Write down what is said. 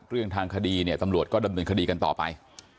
เรื่องทางคดีเนี่ยตำรวจก็ดำเนินคดีกันต่อไป